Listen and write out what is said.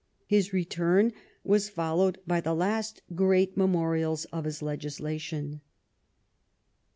His return was followed by the last great memorials of his legislation.